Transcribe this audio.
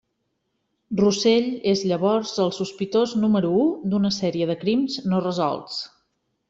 Russell és llavors el sospitós número u d'una sèrie de crims no resolts.